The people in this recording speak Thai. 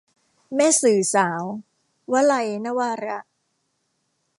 แม่สื่อสาว - วลัย นวาระ